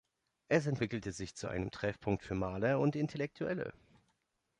Es entwickelte sich zu einem Treffpunkt für Maler und Intellektuelle.